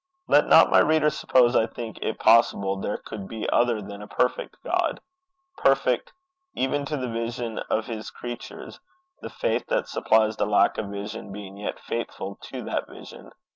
Let not my reader suppose I think it possible there could be other than a perfect God perfect even to the vision of his creatures, the faith that supplies the lack of vision being yet faithful to that vision.